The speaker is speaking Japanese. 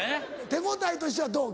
手応えとしてはどう？